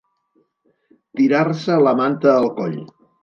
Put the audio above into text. Tirar-se la manta al coll.